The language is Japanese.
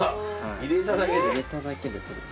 入れただけで。